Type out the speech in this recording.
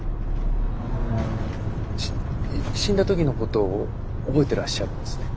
し死んだ時のことを覚えてらっしゃるんですね。